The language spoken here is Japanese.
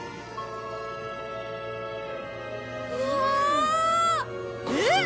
うわあ！えっ！？